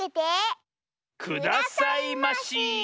くださいまし。